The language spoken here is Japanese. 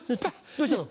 どうしたの？